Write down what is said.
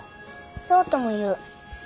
そうとも言う。